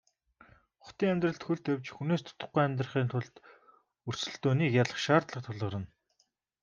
Хотын амьдралд хөл тавьж хүнээс дутахгүй амьдрахын тулд өрсөлдөөнийг ялах шаардлага тулгарна.